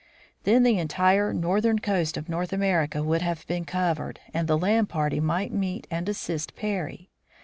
Then the entire northern coast of North America would have been covered, and the land party might meet and assist Parry.